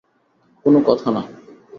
কোনো কথা না।